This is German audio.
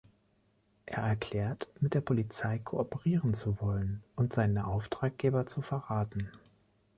Er erklärt, mit der Polizei kooperieren zu wollen und seine Auftraggeber zu verraten.